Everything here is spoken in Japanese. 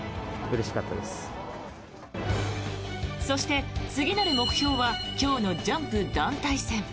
そして、次なる目標は今日のジャンプ団体戦。